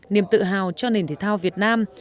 niềm tự hào cho nền thể thao việt nam